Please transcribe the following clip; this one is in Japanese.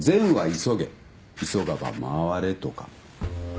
急がば回れとか。